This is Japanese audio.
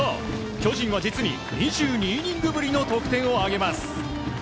巨人は実に２２イニングぶりの得点を挙げます。